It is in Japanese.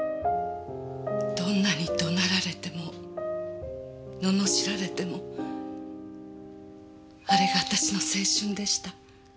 どんなに怒鳴られても罵られてもあれが私の青春でした。